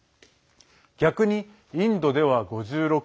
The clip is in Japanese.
逆にインドでは５６％